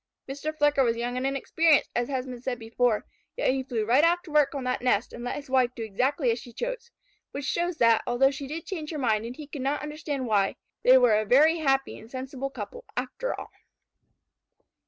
Mr. Flicker was young and inexperienced, as has been said before, yet he flew right off to work on that nest and let his wife do exactly as she chose. Which shows that, although she did change her mind and he could not understand why, they were a very happy and sensible couple, after all.